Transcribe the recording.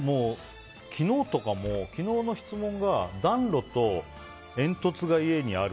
昨日の質問が暖炉と煙突が家にある？